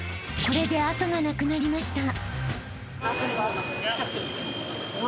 これで後がなくなりました］